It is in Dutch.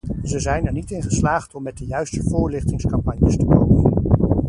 Ze zijn er niet in geslaagd om met de juiste voorlichtingscampagnes te komen.